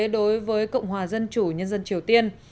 đối với cộng hòa dân chủ nhân dân triều tiên